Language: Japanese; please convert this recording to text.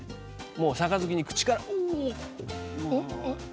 もう杯に口から「おお」。